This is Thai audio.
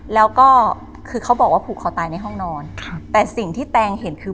แล้วก็คือเขาบอกว่าผูกคอตายในห้องนอนครับแต่สิ่งที่แตงเห็นคือ